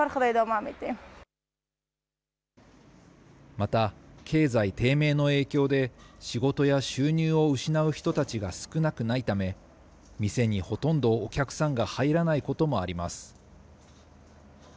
また、経済低迷の影響で、仕事や収入を失う人たちが少なくないため、店にほとんどお客さんが入らないこともあります。